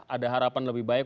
ada harapan lebih baik